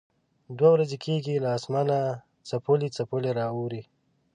دوه ورځې کېږي له اسمانه څپولی څپولی را اوري.